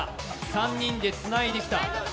３人でつないできた。